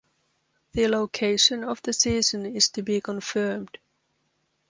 The location of the season is to be confirmed.